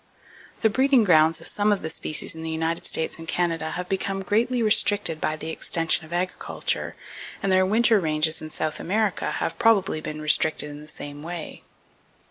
The breeding grounds of some of the species in the United States and Canada have become greatly restricted by the extension of agriculture, and their winter ranges in South America have probably been restricted in the same way.